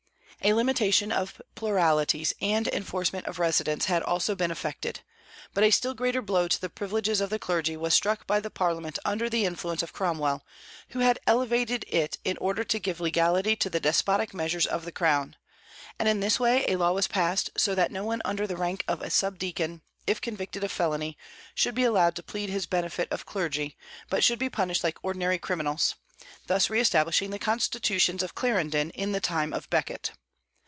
A limitation of pluralities and enforcement of residence had also been effected. But a still greater blow to the privileges of the clergy was struck by the Parliament under the influence of Cromwell, who had elevated it in order to give legality to the despotic measures of the Crown; and in this way a law was passed that no one under the rank of a sub deacon, if convicted of felony, should be allowed to plead his "benefit of clergy," but should be punished like ordinary criminals, thus re establishing the constitutions of Clarendon in the time of Becket.